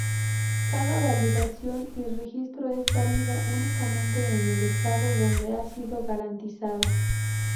Cada validación y registro es válida únicamente en el estado donde ha sido garantizada.